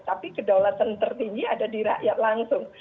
tapi kedaulatan tertinggi ada di rakyat langsung